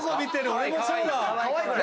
俺もそうだ。